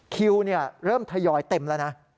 คิวเริ่มทยอยเต็มแล้วนะ